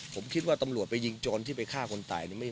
ผมคิดว่าตำรวจไปยิงโจรที่ไปฆ่าคนตาย